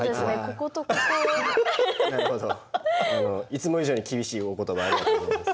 いつも以上に厳しいお言葉ありがとうございます。